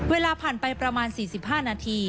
เวลาผ่านไปประมาณ๔๕นาที